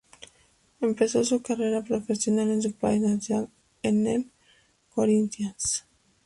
Empezó su carrera profesional en su país natal, en el Corinthians.